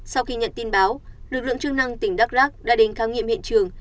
sau khi nhận tin báo lực lượng chức năng tỉnh đắk lắc đã đến khám nghiệm hiện trường